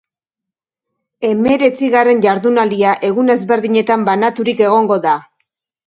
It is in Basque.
Hemeretzigarren jardunaldia egun ezberdinetan banaturik egongo da.